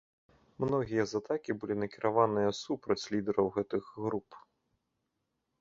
Многія з атакі былі накіраваныя супраць лідараў гэтых груп.